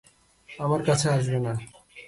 আমার কাছে আসবে না!